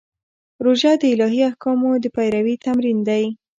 روژه د الهي احکامو د پیروي تمرین دی.